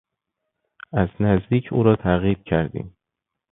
از نزدیک او را تعقیب کردیم.